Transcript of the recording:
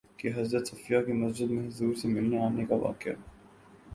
کہ حضرت صفیہ کے مسجد میں حضور سے ملنے آنے کا واقعہ